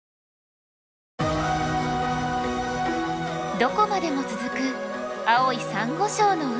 どこまでも続く青いサンゴ礁の海。